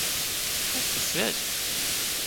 할 수 있어야지요